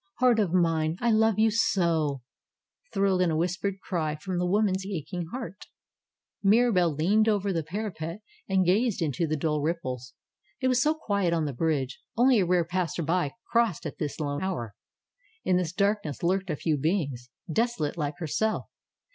Heart of mine, I love you so thrilled in a whispered cry from the woman's aching heart. Mirabelle leaned over the parapet and gazed into the dull ripples. It was so quiet on the bridge. Only a rare passenger crossed at this lone hour. In the dark ness lurked a few beings, desolate like herself.